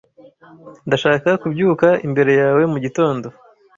ndashaka kubyuka imbere yawe mugitondo